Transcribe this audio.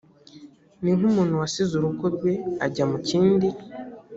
ni nk umuntu wasize urugo rwe ajya mu kindi